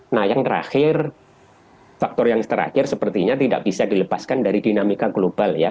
nah yang terakhir faktor yang terakhir sepertinya tidak bisa dilepaskan dari dinamika global ya